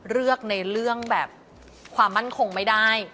เลือกในเรื่องแบบความมั่นคงไม่ได้